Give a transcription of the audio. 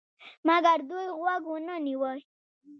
مګر دوی غوږ ونه نیوی.